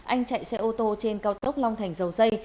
anh chạy xe ô tô trên cao tốc long thành dầu dây